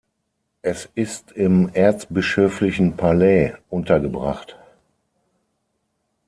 Es ist im Erzbischöflichen Palais untergebracht.